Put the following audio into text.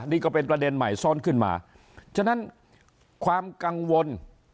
นี่ก็เป็นประเด็นใหม่ซ้อนขึ้นมาฉะนั้นความกังวล